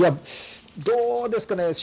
どうですかね。